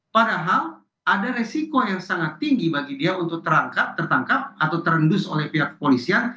padahal ada resiko yang sangat tinggi bagi dia untuk terangkat tertangkap atau terendus oleh pihak kepolisian